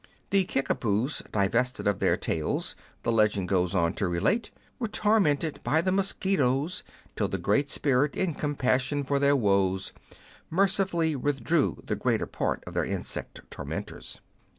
The Kickapoos, divested of their tails, the legend goes on to relate, were tormented by the mosquitoes, till the Great Spirit, in compassion for their woes, mercifully withdrew the greater part of their insect tormentors.